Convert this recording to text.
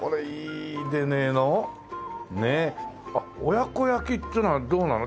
親子焼っつうのはどうなの。